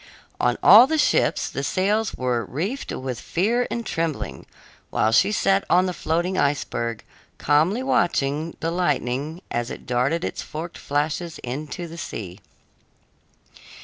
On all the ships the sails were reefed with fear and trembling, while she sat on the floating iceberg, calmly watching the lightning as it darted its forked flashes into the sea.